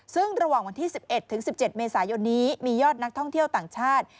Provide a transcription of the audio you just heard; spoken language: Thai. ซึ่งระหว่างวันที่๑๑ถึง๑๗เมษายนนี้มียอดนักท่องเที่ยวต่างชาติ